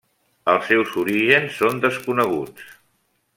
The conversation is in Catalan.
Els seus orígens són desconeguts.